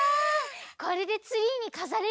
これでツリーにかざれるね。